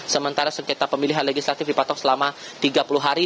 sementara sengketa pemilihan legislatif dipatok selama tiga puluh hari